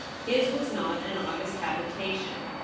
His was not an august habitation.